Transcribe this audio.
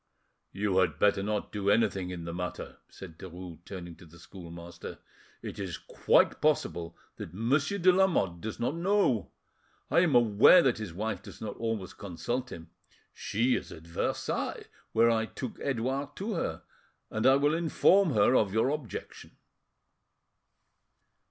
"You had better not do anything in the matter;" said Derues, turning to the schoolmaster. "It is quite possible that Monsieur de Lamotte does not know. I am aware that his wife does not always consult him. She is at Versailles, where I took Edouard to her, and I will inform her of your objection."